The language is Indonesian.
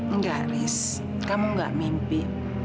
enggak haris kamu enggak mimpi